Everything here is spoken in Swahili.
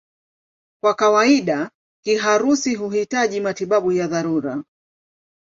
Kwa kawaida kiharusi huhitaji matibabu ya dharura.